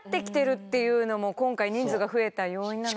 っていうのも今回人数が増えた要因なのかな？